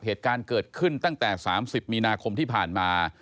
เหตุการณ์เกิดขึ้นตั้งแต่๓๐มีนาคมที่ผ่านมา